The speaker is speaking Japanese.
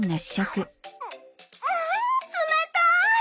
「うん冷たい！」